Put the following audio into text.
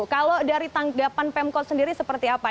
kalau dari tanggapan pemkot sendiri seperti apa